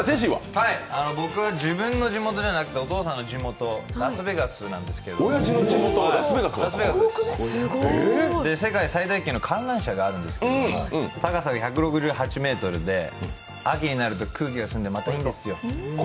自分の地元でなくてお父さんの地元ラスベガスなんですけど、世界最大級の観覧車があるんですけど、高さが１６８ｍで秋になると空気が澄んでまたいいんですよ。